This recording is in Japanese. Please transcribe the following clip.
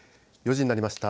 ４時になりました。